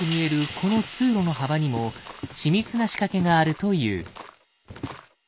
この通路の幅にも緻密な仕掛けがあるという。